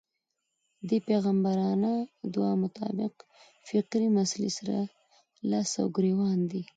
دې پيغمبرانه دعا مطابق فکري مسئلې سره لاس و ګرېوان دی.